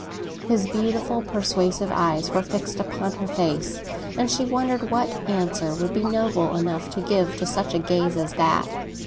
His beautiful persuasive eyes were fixed upon her face, and she wondered what answer would be noble enough to make to such a gaze as that.